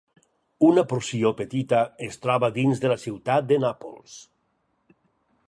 Una porció petita es troba dins de la ciutat de Nàpols.